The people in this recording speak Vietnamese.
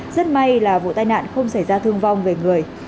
rất may là vụ tai nạn không xảy ra thương vong về người